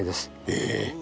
ええ。